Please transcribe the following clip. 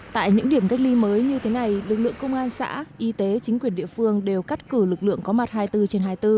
tại những điểm cách ly mới như thế này lực lượng công an xã y tế chính quyền địa phương đều cắt cử lực lượng có mặt hai mươi bốn trên hai mươi bốn